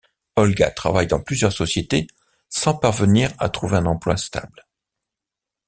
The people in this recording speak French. Olga travaille dans plusieurs sociétés sans parvenir à trouver un emploi stable.